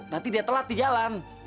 nanti dia telat di jalan